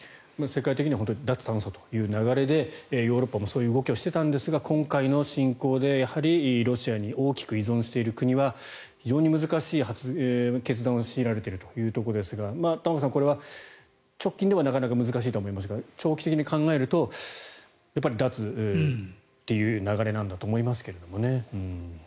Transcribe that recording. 世界的には脱炭素という流れでヨーロッパもそういう動きをしていたんですが今回の侵攻でロシアに大きく依存している国は非常に難しい決断を強いられているということですが玉川さん、これは直近ではなかなか難しいと思いますが長期的に考えると、脱という流れなんだと思いますが。